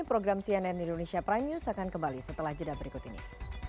program cnn indonesia prime news akan kembali setelah jeda berikut ini